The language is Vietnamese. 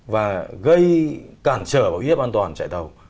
và gây cản trở bảo yếp an toàn chạy tàu